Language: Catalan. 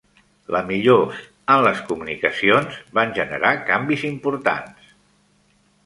La millors en les comunicacions van generar canvis importants.